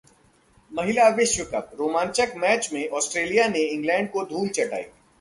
महिला विश्वकप: रोमांचक मैच में ऑस्ट्रेलिया ने इंग्लैंड को धूल चटाई